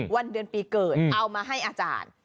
วันเดือนปีเกิดเอามาให้อาจารย์